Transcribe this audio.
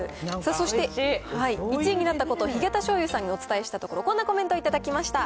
そして、１位になったことをヒゲタしょうゆさんにお伝えしたところ、こんなコメントを頂きました。